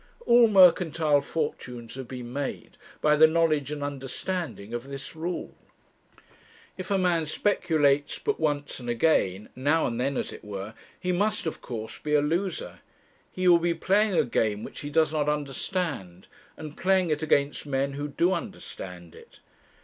All mercantile fortunes have been made by the knowledge and understanding of this rule. If a man speculates but once and again, now and then, as it were, he must of course be a loser. He will be playing a game which he does not understand, and playing it against men who do understand it.